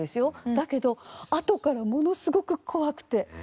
だけどあとからものすごく怖くて。